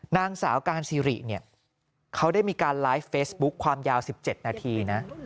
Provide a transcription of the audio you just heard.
นางสาวการซีริเนี่ยเขาได้มีการไลฟ์เฟซบุ๊คความยาว๑๗นาทีนะ